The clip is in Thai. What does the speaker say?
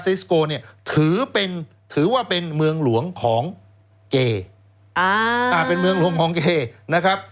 สโกเนี่ยถือเป็นถือว่าเป็นเมืองหลวงของเกอ่าเป็นเมืองหลวงของเกนะครับ